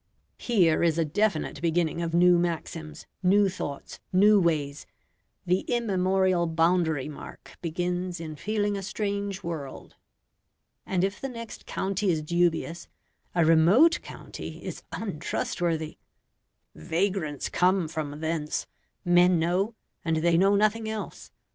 Here is a definite beginning of new maxims, new thoughts, new ways: the immemorial boundary mark begins in feeling a strange world. And if the next county is dubious, a remote county is untrustworthy. "Vagrants come from thence," men know, and they know nothing else.